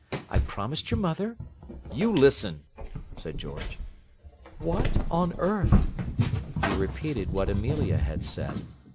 I promised your mother—" "You listen!" said George. "What on earth—" He repeated what Amelia had said.